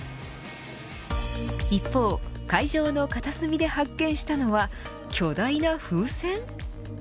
一方、会場の片隅で発見したのは強大な風船。